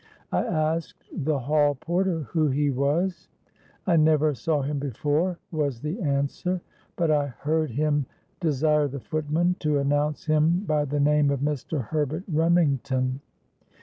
I asked the hall porter who he was. 'I never saw him before,' was the answer; 'but I heard him desire the footman to announce him by the name of Mr. Herbert Remington.'